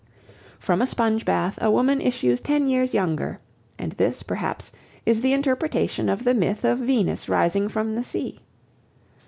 From a sponge bath a woman issues ten years younger, and this, perhaps, is the interpretation of the myth of Venus rising from the sea.